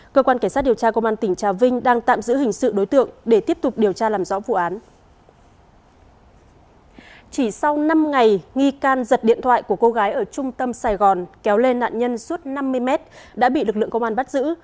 chỉ sau năm ngày nghi can giật điện thoại của cô gái ở trung tâm sài gòn kéo lên nạn nhân suốt năm mươi mét đã bị lực lượng công an bắt giữ